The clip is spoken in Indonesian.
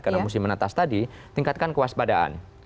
karena musim menetas tadi tingkatkan kewaspadaan